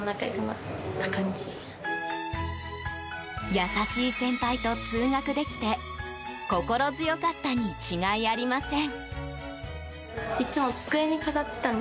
優しい先輩と通学できて心強かったに違いありません。